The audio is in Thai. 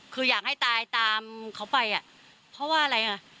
คืออยากให้ตายตามเขาไปอ่ะเพราะว่าอะไรอ่ะ